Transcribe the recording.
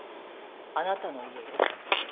あなたの家よ。